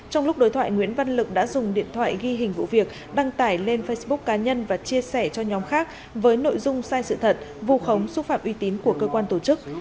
trong lúc đối thoại nguyễn văn lực đã dùng điện thoại ghi hình vụ việc đăng tải lên facebook cá nhân và chia sẻ cho nhóm khác với nội dung sai sự thật vụ khống xúc phạm uy tín của cơ quan tổ chức